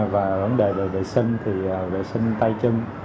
và vấn đề về vệ sinh thì vệ sinh tay chân